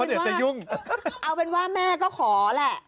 เอาเป็นว่าเอาเป็นว่าแม่ก็ขอแหละ